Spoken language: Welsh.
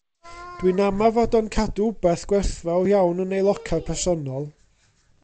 Dwi'n ama fod o'n cadw wbath gwerthfawr iawn yn ei locar personol.